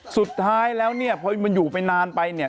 สุดท้ายแล้วพอมันอยู่ไปนานไป